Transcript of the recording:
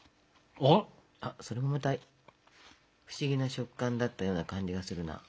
それもまた不思議な食感だったような感じがするな。